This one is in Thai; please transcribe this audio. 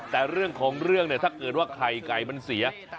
แต่เรื่องของเรื่องเนี่ยถ้าเกิดว่าไข่ไก่มันเสีย